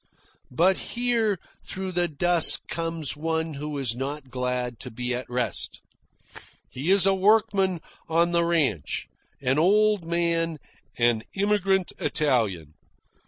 But here through the dusk comes one who is not glad to be at rest. He is a workman on the ranch, an old man, an immigrant Italian.